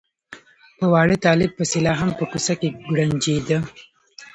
په واړه طالب پسې لا هم په کوڅه کې کوړنجېده.